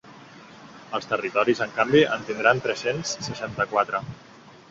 Els territoris, en canvi, en tindran tres-cents seixanta-quatre.